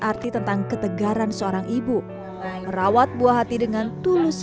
arti tentang ketegaran seorang ibu menjelaskan kekuatan dan kematian anaknya yang penting untuk